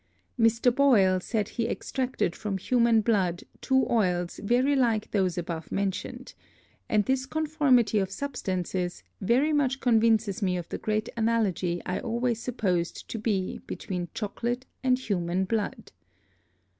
Mr. Boyle said he extracted from Human Blood, two Oils very like those above mentioned; and this Conformity of Substances, very much convinces me of the great Analogy I always supposed to be between Chocolate and Human Blood.